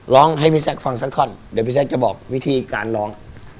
ร้องให้พี่แซคฟังสักท่อนเดี๋ยวพี่แซคจะบอกวิธีการร้อง